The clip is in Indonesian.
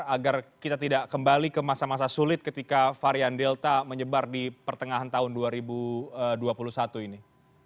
agar kita tidak kembali ke masa masa sulit ketika varian delta menyebar di pertengahan tahun dua ribu dua puluh satu ini